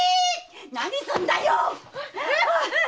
何すんだよ！